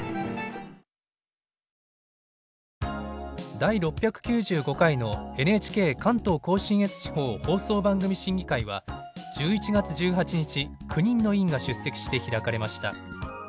第６９５回のＮＨＫ関東甲信越地方放送番組審議会は１１月１８日９人の委員が出席して開かれました。